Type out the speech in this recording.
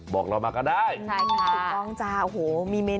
บอกเรามาก็ได้